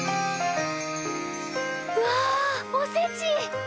うわおせち！